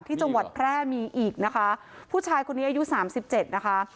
ที่จังหวัดแพร่มีอีกนะคะผู้ชายคนนี้อายุสามสิบเจ็ดนะคะ